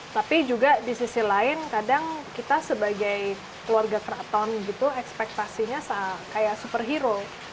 tapi juga di sisi lain kadang kita sebagai keluarga keraton gitu ekspektasinya kayak superhero